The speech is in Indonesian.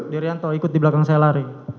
derianto ikut di belakang saya lari